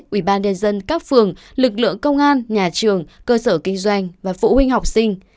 ủy ban nhân dân các phường lực lượng công an nhà trường cơ sở kinh doanh và phụ huynh học sinh